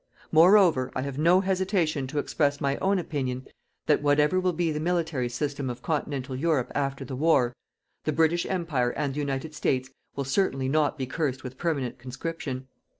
Moreover, I have no hesitation to express my own opinion that whatever will be the military system of continental Europe after the war, the British Empire and the United States will certainly not be cursed with permanent conscription.